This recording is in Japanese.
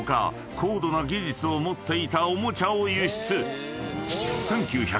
高度な技術を持っていたおもちゃを輸出］